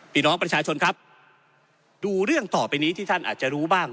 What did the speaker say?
พี่น้องประชาชนครับดูเรื่องต่อไปนี้ที่ท่านอาจจะรู้บ้าง